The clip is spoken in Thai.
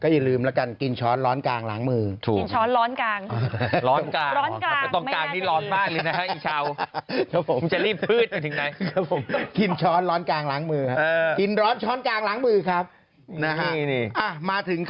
ก็อย่าลืมละกันกินช้อนร้อนกางล้างมือ